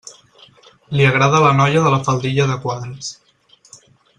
Li agrada la noia de la faldilla de quadres.